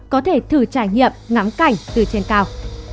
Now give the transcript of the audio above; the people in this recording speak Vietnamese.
có thể thử trải nghiệm ngắm cảnh từ trên cao